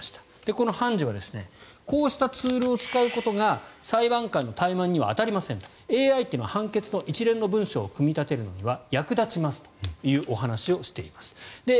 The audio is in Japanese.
この判事はこうしたツールを使うことが裁判官の怠慢には当たりませんＡＩというのは判決の一連の文章を組み立てるのには役立ちますというお話をしています。